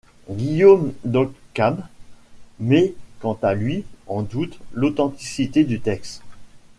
Guillaume d'Ockham met quant à lui en doute l'authenticité du texte.